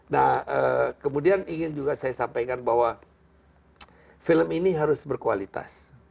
nah kemudian ingin juga saya sampaikan bahwa film ini harus berkualitas